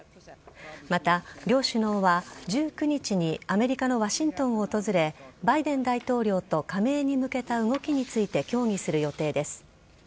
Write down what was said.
また、両首脳は１９日にアメリカのワシントンを訪れバイデン大統領と加盟に向けた動きについて協議する予定です。